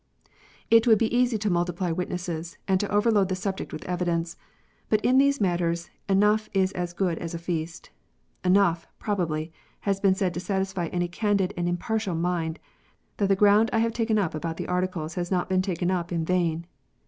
It would be easy to multiply witnesses, and to overload the subject with evidence. But in these matters enough is as good as a feast. Enough, probably, has been said to satisfy any candid and impartial mind that the ground I have taken up about the Articles has not been taken up in vain.